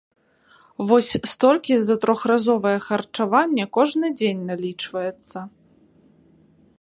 Вось столькі за трохразовае харчаванне кожны дзень налічваецца.